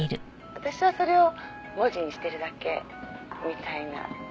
「私はそれを文字にしてるだけみたいな」